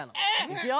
いくよ！